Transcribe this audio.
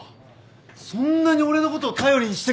そんなに俺のことを頼りにしてくれるよう。